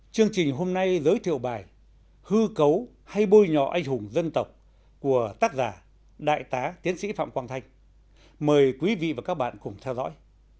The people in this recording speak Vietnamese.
chương trình hôm nay giới thiệu bài hư cấu hay bôi nhọ anh hùng dân tộc của tác giả đại tá tiến sĩ phạm quang thanh mời quý vị và các bạn cùng theo dõi